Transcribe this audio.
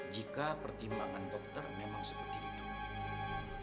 jika pertimbangan dokter memang seperti itu